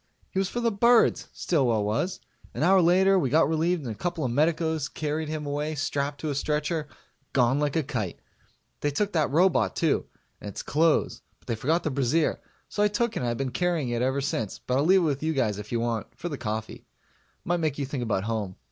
He was for the birds, Stillwell was. An hour later we got relieved and a couple of medicos carried him away strapped to a stretcher gone like a kite. They took the robot too, and its clothes, but they forgot the brassiere, so I took it and I been carrying it ever since, but I'll leave it with you guys if you want for the coffee. Might make you think about home.